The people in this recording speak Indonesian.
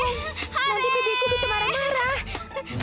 nanti bibiku bisa marah marah